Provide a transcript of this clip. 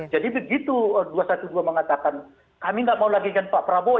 jadi begitu p dua ratus dua belas mengatakan kami enggak mau lagi dengan pak prabowo